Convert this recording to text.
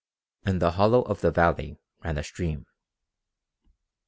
In the hollow of the valley ran a stream.